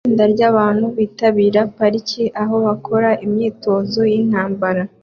Itsinda ryabantu bitabira parike aho bakora imyitozo yintambara